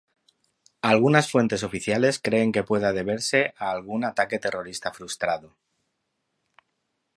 Algunas fuentes oficiales creen que pueda deberse a algún ataque terrorista frustrado.